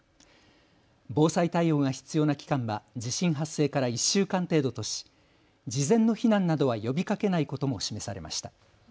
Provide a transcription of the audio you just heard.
防災対応が必要な期間は地震発生から１週間程度とし事前の避難などは呼びかけないことも示されました。